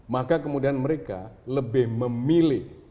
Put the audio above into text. maka kemudian mereka lebih memilih